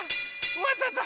おわっちゃった。